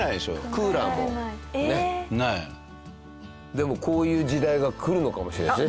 でもこういう時代が来るのかもしれないしね。